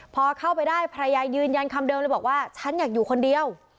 พอเข้าไปได้ภรรยายืนยันคำเดิมเลยบอกว่าฉันอยากอยู่คนเดียว